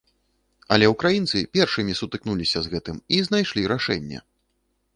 Але ўкраінцы першымі сутыкнуліся з гэтым і знайшлі рашэнне.